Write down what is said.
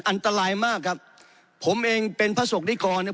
อันตรายมากครับผมเองเป็นพระศกนิกรเนี่ย